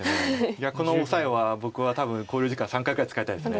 いやこのオサエは僕は多分考慮時間３回ぐらい使いたいです。